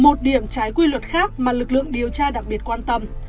một điểm trái quy luật khác mà lực lượng điều tra đặc biệt quan tâm